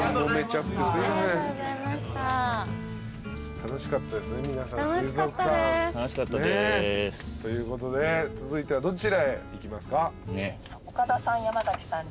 楽しかったです。ということで続いてはどちらへ行きますか？